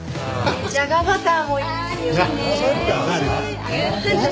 じゃがバターもいいですよね。